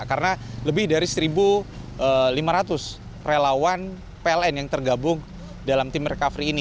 karena lebih dari satu lima ratus relawan pln yang tergabung dalam tim recovery ini